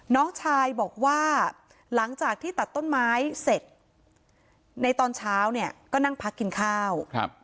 น้องชายบอกว่าหลังจากที่ตัดต้นไม้เสร็จในตอนเช้าเนี่ยก็นั่งพักกินข้าวครับ